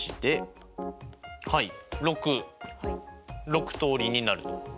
６通りになると。